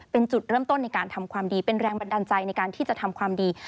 เป็นจุดเริ่มต้นในการทำความดีเป็นแรงบันดาลใจในการที่จะทำความดี